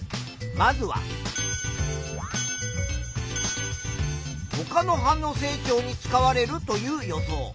まずはほかの葉の成長に使われるという予想。